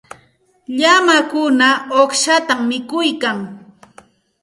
Llamakuna uqshatam mikuyan.